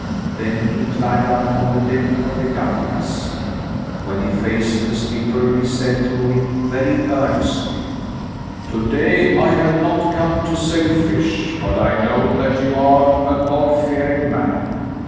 Then he climbed up on the deck of the gallias. When he faced the skipper he said to him very earnestly: "Today I have not come to sell fish. But I know that you are a God fearing man.